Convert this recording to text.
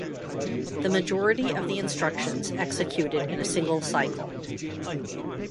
The majority of the instructions executed in a single cycle.